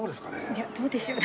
・いやどうでしょう？